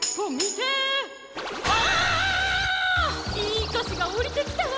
いいかしがおりてきたわ！